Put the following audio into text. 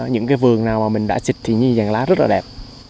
những cái vườn nào mà mình đã xịt thì như vàng lá rất là đẹp